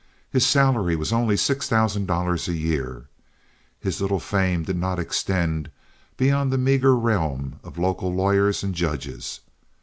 His salary was only six thousand dollars a year. His little fame did not extend beyond the meager realm of local lawyers and judges.